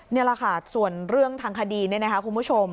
นี่แหละค่ะส่วนเรื่องทางคดีเนี่ยนะคะคุณผู้ชม